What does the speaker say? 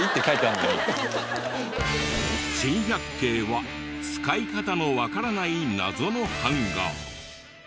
珍百景は使い方のわからない謎のハンガー。